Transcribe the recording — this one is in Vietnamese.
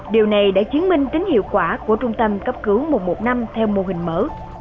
điều này đã chứng minh tính hiệu quả của trung tâm cấp cứu một trăm một mươi năm theo mô hình mở